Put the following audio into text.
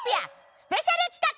スペシャル企画